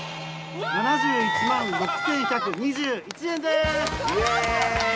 ７１万６，１２１円です。イェイ。